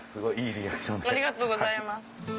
ありがとうございます。